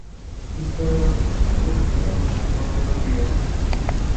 তিনি পরম আনন্দের সহিত নচিকেতার অন্য দুইটি বর পূর্ণ করিয়াছিলেন।